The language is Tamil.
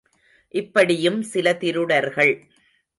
இப்படியும் சில திருடர்கள்.